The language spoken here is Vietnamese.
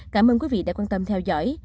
cảm ơn quý vị đã quan tâm theo dõi